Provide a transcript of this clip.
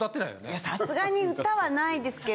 いやさすがに歌はないですけど